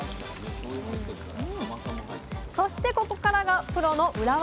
そしてここからがプロの裏技。